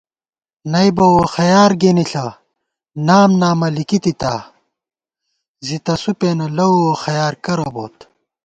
نئ بہ ووخیار گېنِݪہ نام نامہ لِکِتِتا زی تسُو پېنہ لَؤ ووخیار کرہ بوت